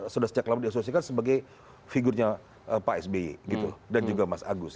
sudah sejak lama diasosikan sebagai figurnya pak sby gitu dan juga mas agus